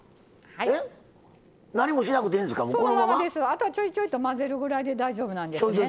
あとはちょいちょいと混ぜるぐらいで大丈夫なんですね。